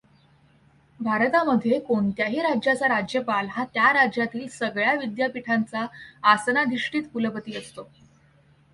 भारतामध्ये कोणत्याही राज्याचा राज्यपाल हा त्या राज्यातील सगळ्या विद्यापीठांचा आसनाधिष्ठीत कुलपती असतो.